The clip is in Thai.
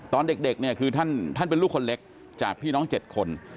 ตอนเด็กเนี่ยคือท่านเป็นลูกคนเล็กจากพี่น้อง๗คน